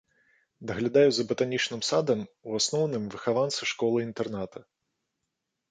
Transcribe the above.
Даглядаюць за батанічным садам у асноўным выхаванцы школы-інтэрната.